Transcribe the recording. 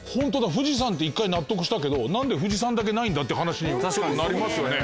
富士山って１回納得したけどなんで富士山だけないんだって話になりますよね。